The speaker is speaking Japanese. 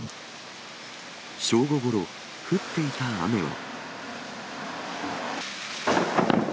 正午ごろ、降っていた雨は。